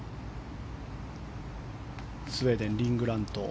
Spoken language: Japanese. スウェーデンリン・グラント。